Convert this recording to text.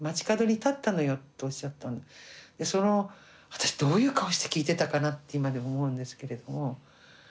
私どういう顔して聞いてたかなって今でも思うんですけれども。